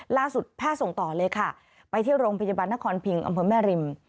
ล่าสุดแพทย์ส่งต่อเลยค่ะไปที่โรงพยาบาลนครพิงอำเภอแม่ริม